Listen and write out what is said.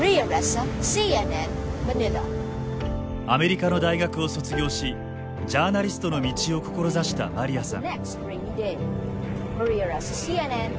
アメリカの大学を卒業しジャーナリストの道を志したマリアさん。